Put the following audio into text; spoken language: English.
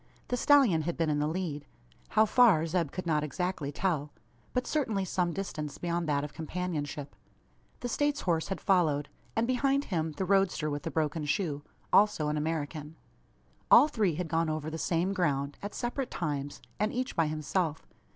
The stallion had been in the lead, how far Zeb could not exactly tell; but certainly some distance beyond that of companionship. The States horse had followed; and behind him, the roadster with the broken shoe also an American. All three had gone over the same ground, at separate times, and each by himself.